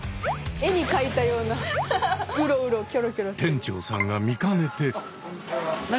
店長さんが見かねて。